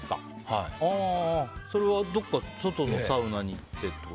それは、どこか外のサウナに行ってという？